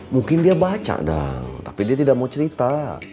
mungkin dia baca dong tapi dia tidak mau cerita